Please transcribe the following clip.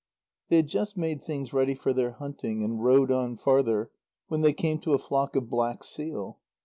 They had just made things ready for their hunting and rowed on farther, when they came to a flock of black seal.